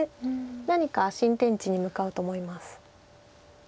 何か新天地に向かうと思います。